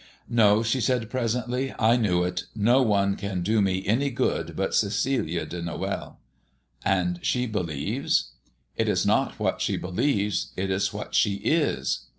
"No," she said presently, "I knew it; no one can do me any good but Cecilia de Noël." "And she believes?" "It is not what she believes, it is what she is."